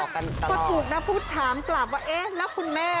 กระตูกนะพุทธถามปรับว่าเอ๊ะนะคุณแม่